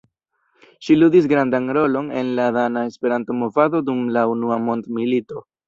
Ŝi ludis grandan rolon en la dana Esperanto-movado dum la unua mondmilito.